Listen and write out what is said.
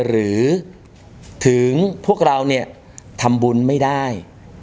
หรือถึงพวกเราเนี่ยทำบุญไม่ได้